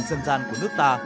lễ hội dân gian của nước ta